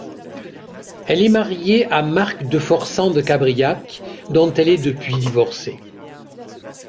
Elle est mariée à Marc de Forsan de Gabriac, dont elle est depuis divorcée.